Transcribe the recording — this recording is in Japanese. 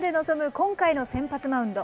今回の先発マウンド。